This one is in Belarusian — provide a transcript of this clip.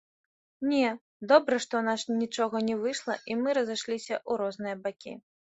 Не, добра, што ў нас нічога не выйшла і мы разышліся ў розныя бакі.